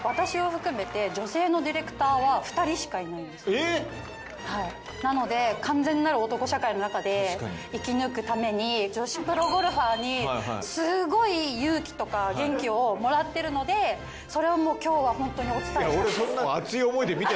えぇ！なので完全なる男社会の中で生き抜くために女子プロゴルファーにすごい勇気とか元気をもらってるのでそれを今日はホントにお伝えしたくて。